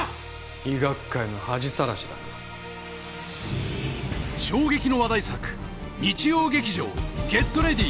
医学界の恥さらしだな衝撃の話題作日曜劇場「ＧｅｔＲｅａｄｙ！」